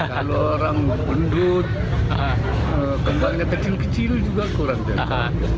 kalau orang pendud kembangnya kecil kecil juga kurang cocok